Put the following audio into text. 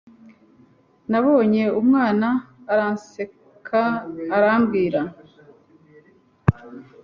nabonye umwana Aranseka arambwira